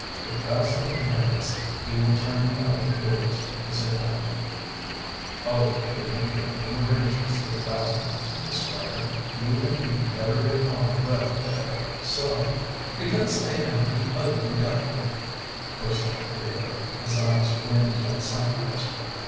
"If Basil inherits he will turn me out of doors," he said heavily. "Oh, you can make your own arrangements with Basil," said the Squire. "You and he never get on well together, so " "Because I am the ugly duckling," burst out Theodore, his eyes flaming like sapphires.